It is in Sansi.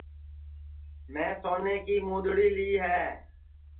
میں سونے کی مُدؔڑی لی ہے